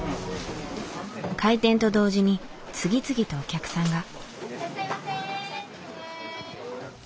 開店と同時に次々とお客さんが。